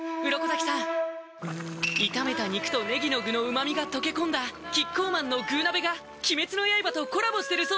鱗滝さん炒めた肉とねぎの具の旨みが溶け込んだキッコーマンの「具鍋」が鬼滅の刃とコラボしてるそうです